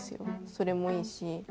それもいいし。